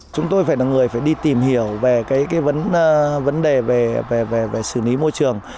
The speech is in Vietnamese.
chúng tôi phải là người đi tìm hiểu về vấn đề về xử lý môi trường